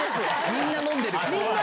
みんな飲んでるから。